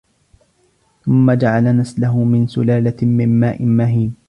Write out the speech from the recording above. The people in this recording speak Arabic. ثم جعل نسله من سلالة من ماء مهين